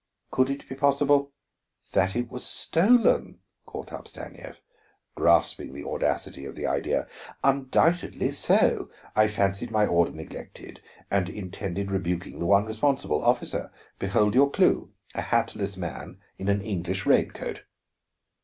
Could it be possible " "That it was stolen?" caught up Stanief, grasping the audacity of the idea. "Undoubtedly so. I fancied my order neglected and intended rebuking the one responsible. Officer, behold your clue: a hatless man in an English rain coat."